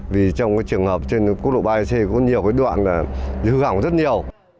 vì trong trường hợp trên quốc lộ ba mươi hai c có nhiều đoạn hư hỏng rất nhiều